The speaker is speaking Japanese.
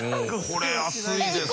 これ安いですね。